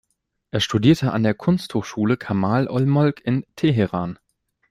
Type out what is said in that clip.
Er studierte an der Kunsthochschule Kamal ol-Molk in Teheran.